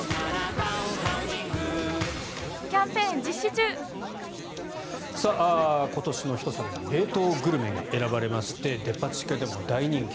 中までちゃんと今年の一皿に冷凍グルメが選ばれましてデパ地下でも大人気。